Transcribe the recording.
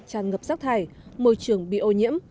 tràn ngập rác thải môi trường bị ô nhiễm